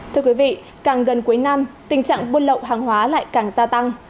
thưa quý vị càng gần cuối năm tình trạng buôn lậu hàng hóa lại càng gia tăng